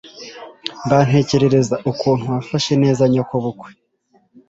bantekerereza ukuntu wafashe neza nyokobukwe